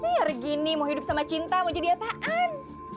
ya regini mau hidup sama cinta mau jadi apaan